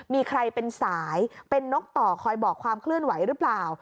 มีใครเป็นสายเป็นนกต่อคอยบอกความเคลื่อนไหวหรือเปล่า